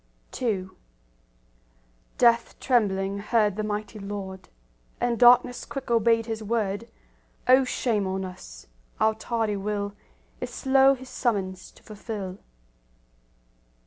II Death trembling heard the mighty Lord, And darkness quick obeyed His word;— O shame on us! our tardy will Is slow His summons to fulfil.